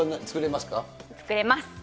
作れます。